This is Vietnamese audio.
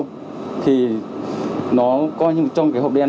thì nó coi như trong cái hộp đen